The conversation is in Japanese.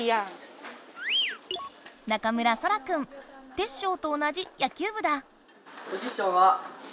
テッショウと同じ野球部だ。